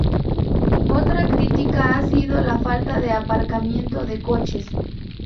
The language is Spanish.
Otra crítica ha sido la falta de aparcamiento de coches.